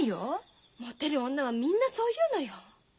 もてる女はみんなそう言うのよ。